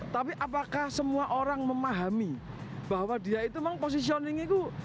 tapi apakah semua orang memahami bahwa dia itu memang positioning itu